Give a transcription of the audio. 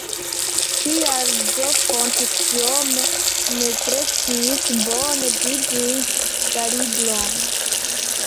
Kial do Fonto tiome neglektis bone bindigi la libron?